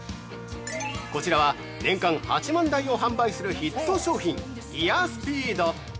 ◆こちらは、年間８万台を販売するヒット商品、ギアスピード。